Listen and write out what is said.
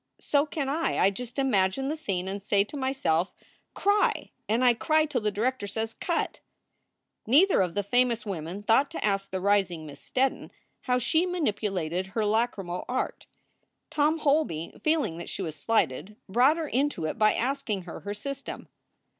So can I. I just imagine the scene and say to myself, Cry ! and I cry till the director says, Cut !" Neither of the famous women thought to ask the rising Miss Steddon how she manipulated her lachrymal art. Tom Holby, feeling that she was slighted, brought her into it by asking her her system.